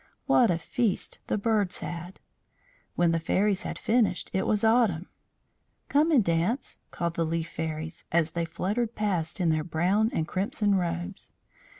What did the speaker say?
What a feast the birds had! When the fairies had finished it was autumn. "Come and dance," called the Leaf Fairies as they fluttered past in their brown and crimson robes.